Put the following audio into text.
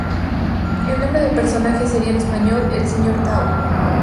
El nombre del personaje sería en español "El señor Tau".